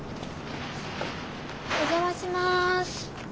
お邪魔します。